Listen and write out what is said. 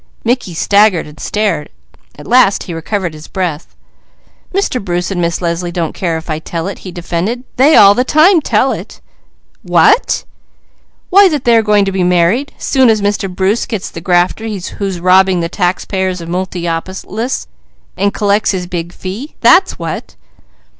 _" Mickey staggered. At last he recovered his breath. "Mr. Bruce and Miss Leslie don't care if I tell," he defended. "They all the time tell it!" "What?" "Why that they are going to be married, soon as Mr. Bruce gets the grafter who's robbing the taxpayers of Multiopolis, and collects his big fee. That's what."